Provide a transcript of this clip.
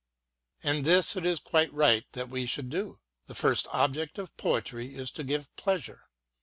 And this it is quite right that we should do : the first object of poetry is to give pleasure.